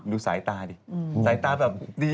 ดูสายตาดิสายตาแบบดี